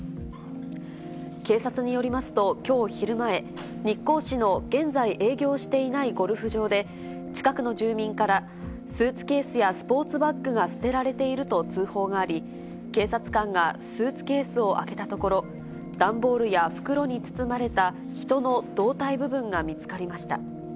警察によりますと、きょう昼前、日光市の現在営業していないゴルフ場で、近くの住民からスーツケースやスポーツバッグが捨てられていると通報があり、警察官がスーツケースを開けたところ、段ボールや袋に包まれた人の胴体部分が見つかりました。